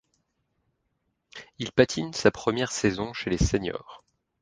Il patine sa première saison chez les seniors.